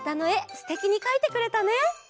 すてきにかいてくれたね！